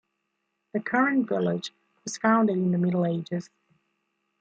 The current village was founded in the Middle Ages.